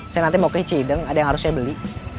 saya nanti mau ke cideng ada yang harusnya beli